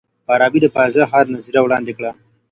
فارابي د فاضله ښار نظریه وړاندې کړه.